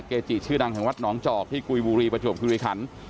เกจิชื่อดังแห่งวัดหนองจอกที่กุยบุรีประจวบคิริขัน